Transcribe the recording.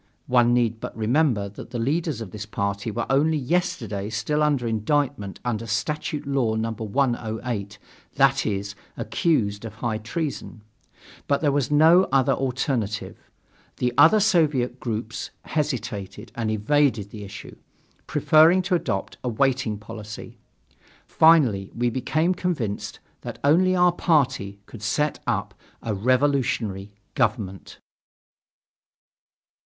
(One need but remember that the leaders of this party were only yesterday still under indictment under Statute Law No. 108 that is, accused of high treason). But there was no other alternative. The other Soviet groups hesitated and evaded the issue, preferring to adopt a waiting policy. Finally we became convinced that only our party could set up a revolutionary government.